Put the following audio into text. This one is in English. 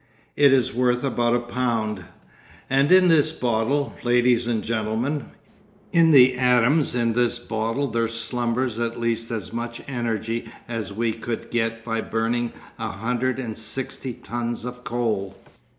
It is worth about a pound. And in this bottle, ladies and gentlemen, in the atoms in this bottle there slumbers at least as much energy as we could get by burning a hundred and sixty tons of coal.